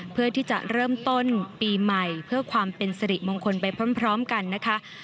เพื่อที่จะเริ่มต้นปีใหม่เพื่อความเป็นสริมงคลไปพร้อมกันนะคะ